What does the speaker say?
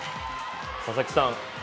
佐々木さん